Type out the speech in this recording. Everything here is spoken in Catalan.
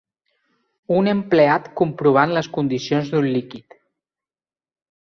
Un empleat comprovant les condicions d'un líquid.